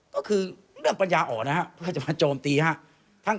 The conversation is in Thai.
ก็คือเรื่องปัญญาอ่อนนะครับเพื่อจะมาโจมตีครับ